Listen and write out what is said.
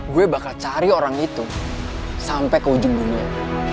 gue bakal cari orang itu sampai ke ujung dunia